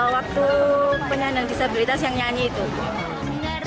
waktu penyandang disabilitas yang nyanyi itu